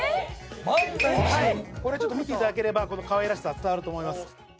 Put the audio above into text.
これちょっと見ていただければこの可愛らしさ伝わると思います。